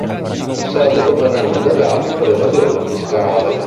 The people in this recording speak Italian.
In seguito verranno indagati per evasione fiscale.